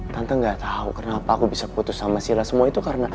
tante gak tahu kenapa aku bisa putus sama sila semua itu karena